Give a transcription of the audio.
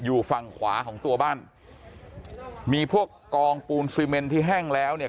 อยู่ฝั่งขวาของตัวบ้านมีพวกกองปูนซีเมนที่แห้งแล้วเนี่ย